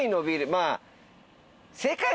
まあ。